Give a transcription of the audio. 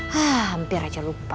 hampir aja lupa